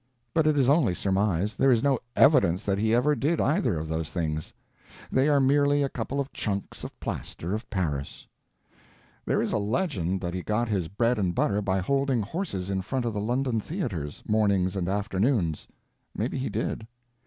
But it is only surmise; there is no evidence that he ever did either of those things. They are merely a couple of chunks of plaster of Paris. There is a legend that he got his bread and butter by holding horses in front of the London theaters, mornings and afternoons. Maybe he did.